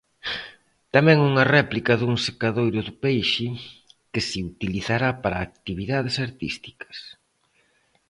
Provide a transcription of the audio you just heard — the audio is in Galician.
Tamén unha réplica dun secadoiro de peixe que se utilizará para actividades artísticas.